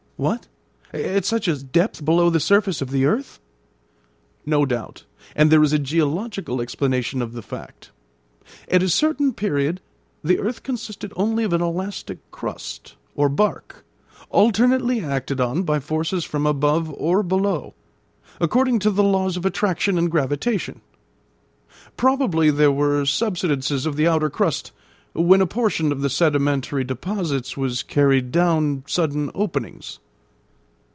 "What! at such a depth below the surface of the earth?" "No doubt; and there is a geological explanation of the fact. At a certain period the earth consisted only of an elastic crust or bark, alternately acted on by forces from above or below, according to the laws of attraction and gravitation. Probably there were subsidences of the outer crust, when a portion of the sedimentary deposits was carried down sudden openings."